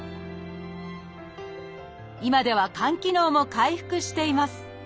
今では肝機能も回復しています